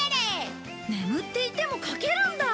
眠っていても描けるんだ！